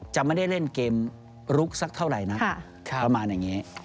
จะไม่ได้เล่นเกมลุกสักเท่าไหร่นักประมาณอย่างนี้